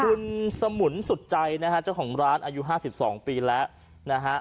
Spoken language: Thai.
คุณสมุนสุดใจนะฮะเจ้าของร้านอายุ๕๒ปีแล้วนะฮะ